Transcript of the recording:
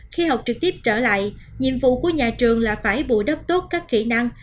khi học trực tiếp trở lại nhiệm vụ của nhà trường là phải bù đắp tốt các kỹ năng